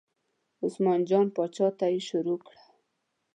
عثمان جان پاچا ته یې شروع کړه.